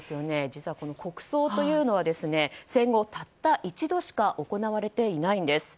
実は国葬というのは戦後、たった一度しか行われていないんです。